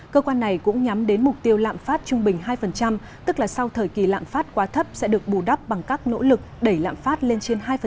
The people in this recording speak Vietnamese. cơ quan này cũng nhắm đến mục tiêu lạm phát trung bình hai tức là sau thời kỳ lạm phát quá thấp sẽ được bù đắp bằng các nỗ lực đẩy lạm phát lên trên hai